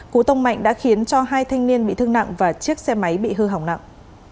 cú tông mạnh đã khiến cho hai thanh niên bị thương nặng và chiếc xe máy bị hư hỏng nặng